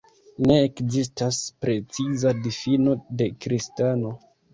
Ne ekzistas preciza difino de kristano.